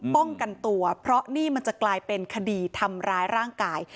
ป้องกันตัวเพราะนี่มันจะกลายเป็นคดีทำร้ายร่างกาย